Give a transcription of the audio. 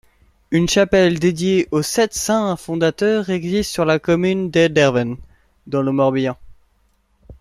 Une chapelle dédiée aux Sept-Saints fondateurs existe sur la commune d'Erdeven, dans le Morbihan.